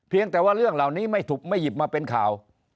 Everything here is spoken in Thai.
แต่ว่าเรื่องเหล่านี้ไม่ถูกไม่หยิบมาเป็นข่าว